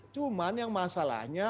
cuma yang masalahnya